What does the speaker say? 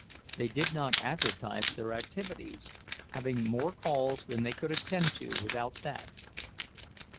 They did not advertise their activities, having more calls than they could attend to without that.